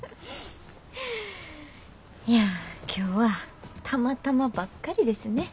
いや今日はたまたまばっかりですね。